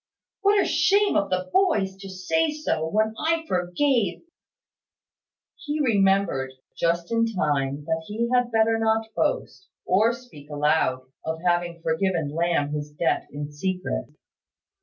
What a shame of the boys to say so, when I forgave " He remembered, just in time, that he had better not boast, or speak aloud, of having forgiven Lamb his debt in secret.